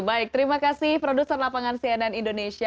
baik terima kasih produser lapangan cnn indonesia